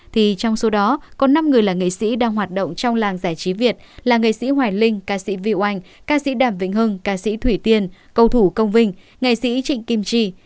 thì trong số đó có năm người là nghệ sĩ đang hoạt động trong làng giải trí việt là nghệ sĩ hoài linh ca sĩ vị oanh ca sĩ đàm vĩnh hưng ca sĩ thủy tiên cầu thủ công vinh nghệ sĩ trịnh kim trì